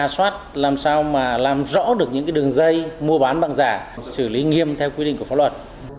xoát làm sao mà làm rõ được những đường dây mua bán bằng giả xử lý nghiêm theo quy định của pháp luật